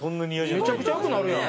めちゃくちゃ良くなるやん。